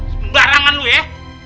sembarangan lu ya